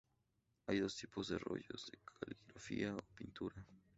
Hay dos tipos de rollos: de caligrafía o de pintura.